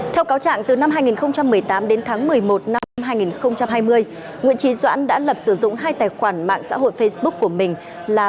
theo cáo trạng từ năm hai nghìn một mươi tám đến tháng một mươi một năm hai nghìn hai mươi nguyễn trí doãn đã lập sử dụng hai tài khoản mạng xã hội facebook của mình là